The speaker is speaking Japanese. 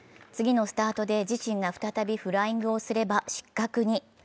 次のスタートで自身が再びフライングすれば失格に。